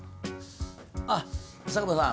あっ佐久間さん